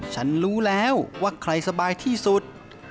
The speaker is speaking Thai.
ฉันรู้แล้วว่าใครสบายที่สุด